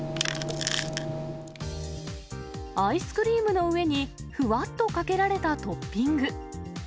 アイスクリームの上にふわっとかけられたトッピング。